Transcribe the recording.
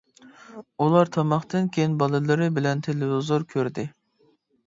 ئۇلار تاماقتىن كېيىن بالىلىرى بىللە تېلېۋىزور كۆردى.